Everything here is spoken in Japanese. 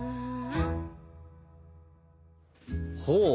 ほう。